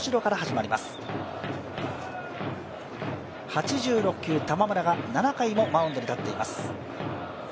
８６球、玉村が７回もマウンドに立っています。